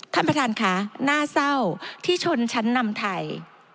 ท่านประธานค่ะน่าเศร้าที่ชนชั้นนำไทย